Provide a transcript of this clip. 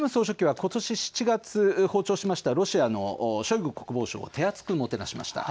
キム総書記はことし７月、訪朝したロシアのショイグ国防相を手厚くもてなしました。